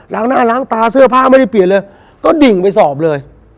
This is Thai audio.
ล้างหน้าล้างตาเซอร์ภาพไม่ได้เปลี่ยนเลยก็ดิ่งไปสอบเลย